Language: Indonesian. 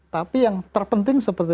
tapi yang terpenting sebabnya